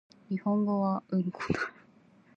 日本語はうんこだ